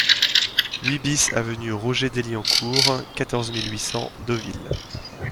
huit BIS avenue Roger Deliencourt, quatorze mille huit cents Deauville